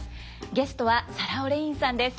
ゲストはサラ・オレインさんです。